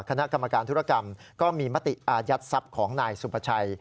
คณะกรรมการธุรกรรมก็มีมติอายัดทรัพย์ของนายสุภาชัย